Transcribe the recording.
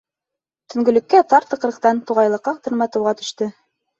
Төнгөлөккә тар тыҡрыҡтан туғайлыҡҡа тырматыуға төштө.